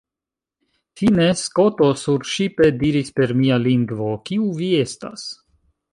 Fine, Skoto surŝipe diris per mia lingvo, Kiu vi estas?